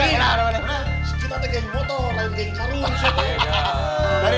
kita ada geng motor ada geng karu